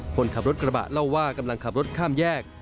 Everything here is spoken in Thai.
คนขับรถกระบะเล่าว่ากำลังขับรถข้ามแยก